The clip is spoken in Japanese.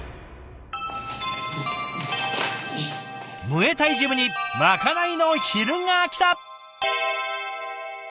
ムエタイジムにまかないの昼がきた。